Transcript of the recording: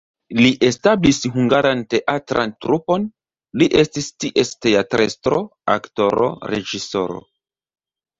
Li establis hungaran teatran trupon, li estis ties teatrestro, aktoro, reĝisoro.